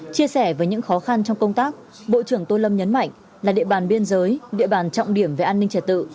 chia sẻ với những khó khăn trong công tác bộ trưởng tô lâm nhấn mạnh là địa bàn biên giới địa bàn trọng điểm về an ninh trật tự